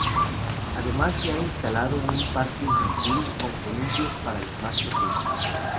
Además se ha instalado un parque infantil con columpios para los más pequeños.